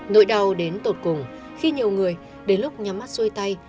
nỗi đau đến tột cùng khi nhiều người đến lúc nhắm mắt xuôi tay